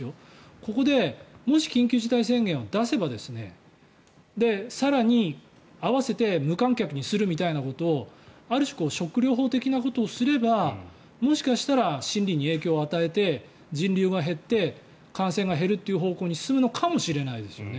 ここでもし緊急事態宣言を出せば更に、併せて無観客にするみたいなことをある種ショック療法的なことをすればもしかしたら心理に影響を与えて人流が減って感染が減るという方向に進むのかもしれないですよね。